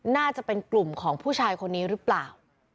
น่าจะเป็นกลุ่มของผู้ชายคนนี้หรือเปล่า